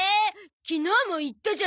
昨日も行ったじゃない。